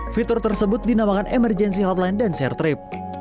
fitur tersebut dinamakan emergency hotline dan share trip